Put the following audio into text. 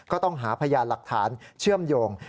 ก็ต้องหาพยานหลักฐานเชื่อมโยง